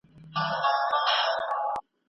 ملا تړل د ځوانۍ د شور پر اساس شوي.